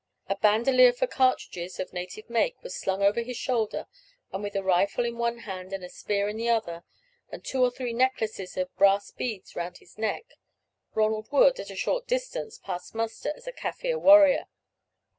A bandolier for cartridges, of native make, was slung over his shoulder, and with a rifle in one hand and a spear in the other, and two or three necklaces of brass beads round his neck, Ronald would, at a short distance, pass muster as a Kaffir warrior.